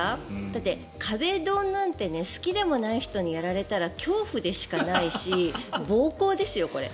だって、壁ドンなんて好きでもない人にやられたら恐怖でしかないし暴行ですよ、これ。